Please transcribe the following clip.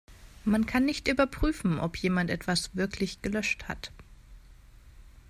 Man kann nicht überprüfen, ob jemand etwas wirklich gelöscht hat.